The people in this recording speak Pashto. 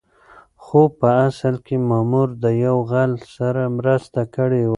خو په اصل کې مامور د يو غل سره مرسته کړې وه.